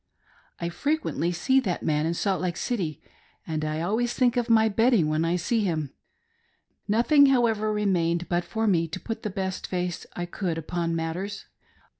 I frequently see that man in Salt Lake City, and I aways think of my bedding when I see him. Nothing, however, remained but for me to put the best face I could upon matters.